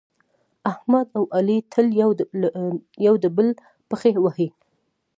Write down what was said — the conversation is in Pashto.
احمد او علي تل یو د بل پښې وهي.